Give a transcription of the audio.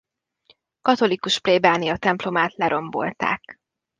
Katolikus plébániatemplomát lerombolták.